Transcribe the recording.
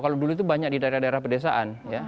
kalau dulu itu banyak di daerah daerah pedesaan